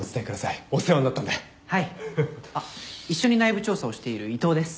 あっ一緒に内部調査をしている伊藤です。